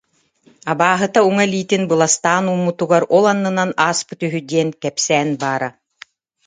Абааһыта уҥа илиитин быластаан ууммутугар, ол аннынан ааспыт үһү диэн кэпсээн баара